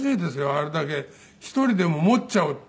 あれだけ１人でももっちゃうってそこ。